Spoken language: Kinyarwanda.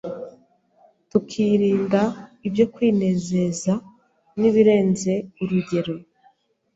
tukirinda ibyo kwinezeza n’ibirenze urugero;